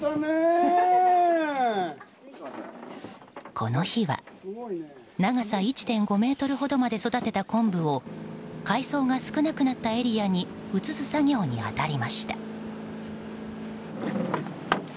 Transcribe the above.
この日は長さ１．５ｍほどまで育てた昆布を海藻が少なくなったエリアに移す作業に当たりました。